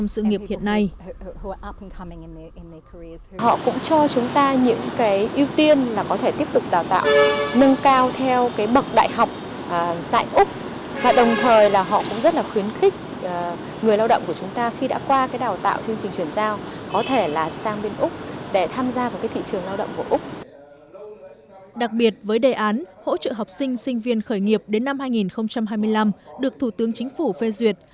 đặc biệt với đề án hỗ trợ học sinh sinh viên khởi nghiệp đến năm hai nghìn hai mươi năm được thủ tướng chính phủ phê duyệt